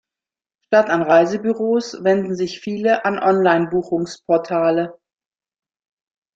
Statt an Reisebüros wenden sich viele an Online-Buchungsportale.